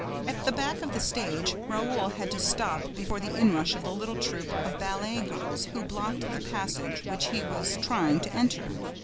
At the back of the stage, Raoul had to stop before the inrush of the little troop of ballet girls who blocked the passage which he was trying to enter.